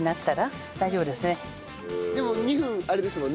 でも２分あれですもんね。